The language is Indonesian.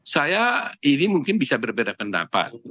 saya ini mungkin bisa berbeda pendapat